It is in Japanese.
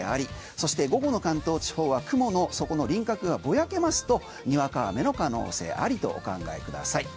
そして午後の関東地方は雲輪郭がぼやけますとにわか雨の可能性ありとお考えください。